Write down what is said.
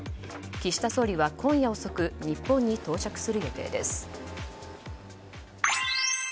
岸田総理は今夜遅く日本に到着する予定です。